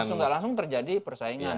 langsung langsung terjadi persaingan